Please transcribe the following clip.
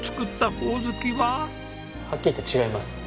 はっきり言って違います。